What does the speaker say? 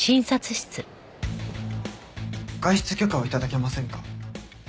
外出許可を頂けませんか？